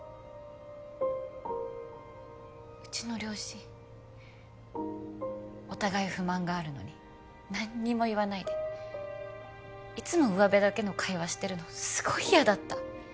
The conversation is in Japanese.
うちの両親お互い不満があるのに何にも言わないでいつもうわべだけの会話してるのすごい嫌だった